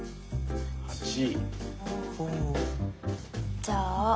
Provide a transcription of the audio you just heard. じゃあ。